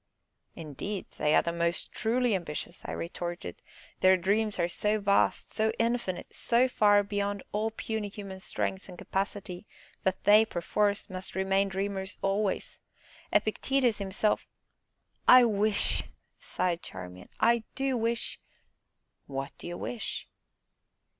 "Indeed, they are the most truly ambitious," I retorted; "their dreams are so vast, so infinite, so far beyond all puny human strength and capacity that they, perforce, must remain dreamers always. Epictetus himself " "I wish," sighed Charmian, "I do wish " "What do you wish?"